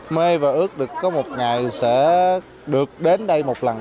mê và ước được có một ngày sẽ được đến đây một lần